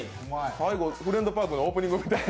最後、「フレンドパーク」のオープニングみたいに。